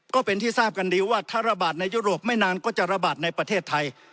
ก็เป็นที่ทราบกันดีว่าถ้าระบาดในยุโรปไม่นานก็จะระบาดในประเทศไทย